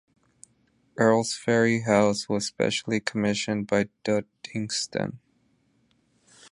Earlsferry House was specially commissioned by Duddingston.